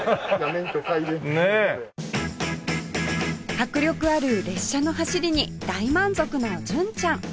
迫力ある列車の走りに大満足の純ちゃん